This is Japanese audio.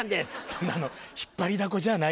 そんなの引っ張りだこじゃないです。